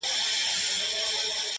• مجرم د غلا خبري پټي ساتي،